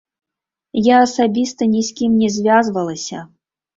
Я асабіста ні з кім не звязвалася.